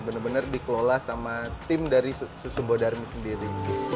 benar benar dikelola sama tim dari susu bodarmi sendiri